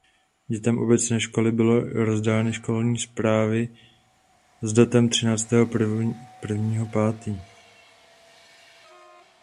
Dětem obecné školy byly rozdány školní zprávy s datem třicátého prvního pátý.